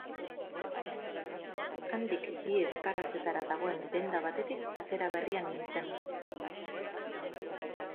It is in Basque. Handik bi ezkaratzetara dagoen denda batetik atera berria nintzen.